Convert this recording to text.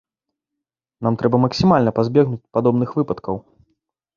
Нам трэба максімальна пазбегнуць падобных выпадкаў.